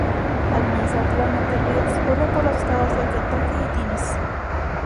Administrativamente, el río discurre por los estados de Kentucky y Tennessee.